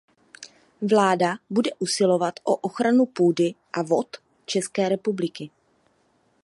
Vláda bude usilovat o ochranu půdy a vod České republiky.